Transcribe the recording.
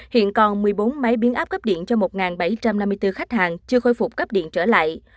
hiện còn một mươi bốn máy biến áp cấp điện cho một bảy trăm năm mươi bốn khách hàng chưa khôi phục cấp điện trở lại